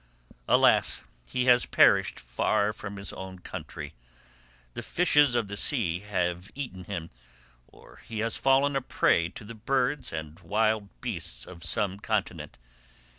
Alas! He has perished far from his own country; the fishes of the sea have eaten him, or he has fallen a prey to the birds and wild beasts of some continent.